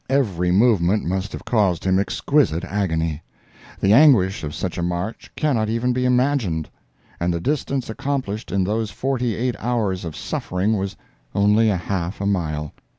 Every movement must have caused him exquisite agony; the anguish of such a march cannot even be imagined. And the distance accomplished in those forty eight hours of suffering was only half a mile.